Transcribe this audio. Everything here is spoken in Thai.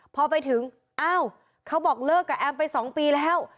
พอไปถึงอ้าวเขาบอกเลิกกับแอมไป๒ปีแล้ว